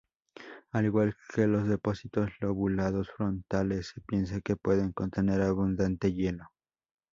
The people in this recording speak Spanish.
Al igual que los depósitos lobulados frontales, se piensa que pueden contener abundante hielo.